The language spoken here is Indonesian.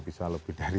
bisa lebih dari seratus